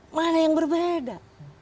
mana yang berbeda